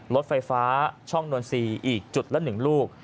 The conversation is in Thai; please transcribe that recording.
รถไฟฟ้าช่องนวลซีอีกจุดละ๑ลูก